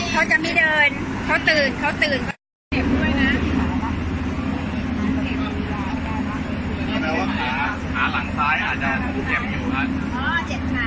เขาจะไม่เดินเขาตื่นเขาตื่นมาเขาเจ็บด้วยนะ